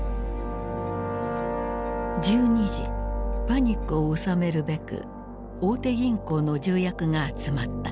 パニックを収めるべく大手銀行の重役が集まった。